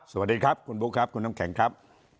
สวัสดีครับคุณบุ๊คครับคุณน้ำแข็งครับ